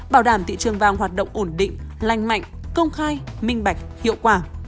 bảo đảm thị trường vàng hoạt động ổn định lành mạnh công khai minh bạch hiệu quả